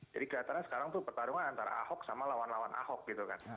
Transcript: jadi kelihatannya sekarang tuh pertarungan antara ahok sama lawan lawan ahok gitu kan